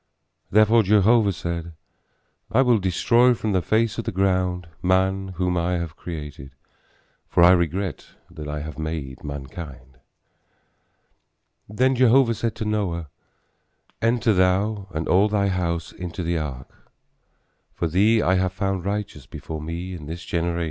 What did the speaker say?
Therefore Jehovah said, I will destroy from the face of the ground man whom I have created, for I regret that I have made mankind. Then Jehovah said to Noah, enter thou and all thy house into the ark; for thee I have found righteous before me in this generation.